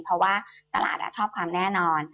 เพราะว่าตลาดชอบความแน่นอน